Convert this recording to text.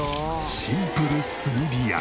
シンプル炭火焼き。